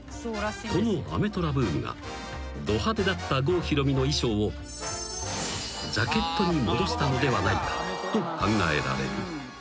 ［このアメトラブームがど派手だった郷ひろみの衣装をジャケットに戻したのではないかと考えられる］